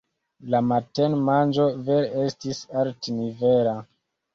La matenmanĝo vere estis altnivela.